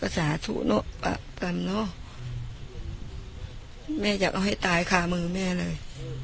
ก็สาธุนะแม่อยากเอาให้ตายคามือแม่เลย